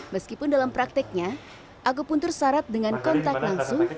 meskipun dalam prakteknya aku puntur syarat dengan kontak langsung